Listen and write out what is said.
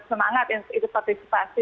semangat itu partisipasi